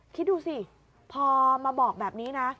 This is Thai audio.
คิดดูสิพอมาบอกแบบนี้นะ